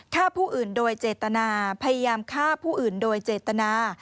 ฆ่าผู้อื่นโดยเจตนาพยายามฆ่าผู้อื่นโดยเจตนา